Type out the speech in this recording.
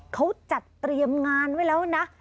เขาจัดเตรียมงานไว้แล้วนะ